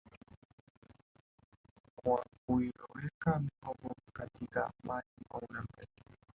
kwa kuiloweka mihogo katika maji kwa muda